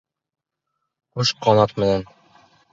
Ҡош ҡанат менән.